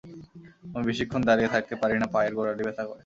আমি বেশিক্ষণ দাঁড়িয়ে থাকতে পারি না পায়ের গোড়ালি ব্যথা করে।